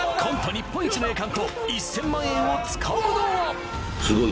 日本一の栄冠と１０００万円をつかむのは？